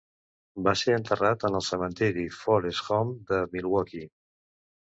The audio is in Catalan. Va ser enterrat en el Cementiri Forest Home de Milwaukee.